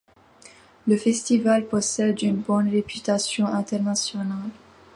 Le festival possède une bonne réputation internationale.